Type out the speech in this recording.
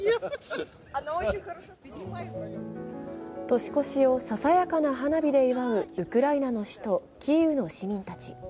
年越しをささやかな花火で祝うウクライナの首都キーウの市民たち。